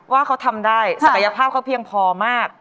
ว่าเขาทำได้ศักยภาพเขาเพียงพอมาก